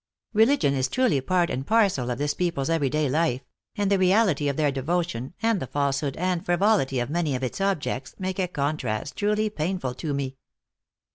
Religion is truly part and parcel of this people s every day life ; and the reality of their devotion, and the falsehood and frivolity of many of its objects, make a contrast truly painful to me."